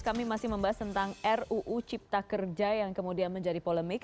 kami masih membahas tentang ruu cipta kerja yang kemudian menjadi polemik